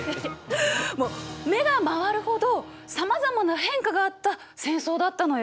もう目が回るほどさまざまな変化があった戦争だったのよ。